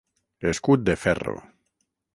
Escut de ferro.